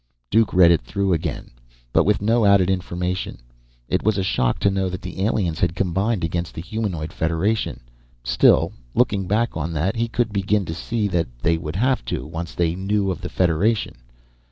Duke read it through again, but with no added information. It was a shock to know that the aliens had combined against the humanoid Federation. Still, looking back on that, he could begin to see that they would have to, once they knew of the Federation.